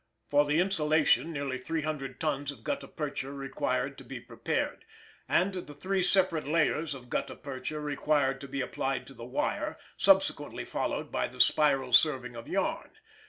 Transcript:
For the insulation nearly 300 tons of gutta percha required to be prepared, and the three separate layers of gutta percha required to be applied to the wire, subsequently followed by the spiral serving of yarn.